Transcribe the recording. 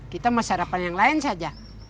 kita mau sarapan yang lain saja